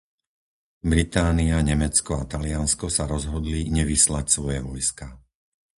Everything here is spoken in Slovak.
Británia, Nemecko a Taliansko sa rozhodli nevyslať svoje vojská.